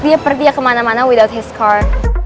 dia perdiak kemana mana without his car